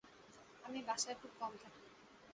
আমি বাসায় খুব কম থাকি।